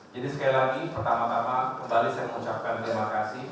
jadi sekali lagi pertama tama kembali saya mengucapkan terima kasih